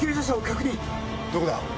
どこだ？